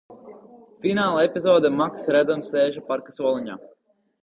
Fināla epizodē Makss redzams sēžam parkā uz soliņa.